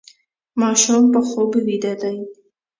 ماشوم په خوب ویده دی.